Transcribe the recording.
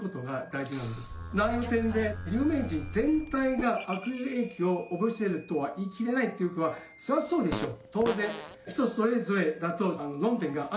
内容の点で有名人全体が悪影響を及ぼしているとは言い切れないっていうことはそれはそうでしょう。